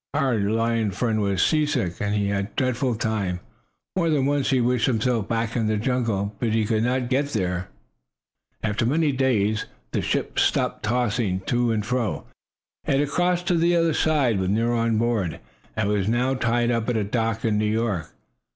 Our lion friend was seasick, and he had a dreadful time. More than once he wished himself back in the jungle, but he could not get there. After many days the ship stopped tossing to and fro. It had crossed to the other side, with Nero on board, and was now tied up at a dock in New York.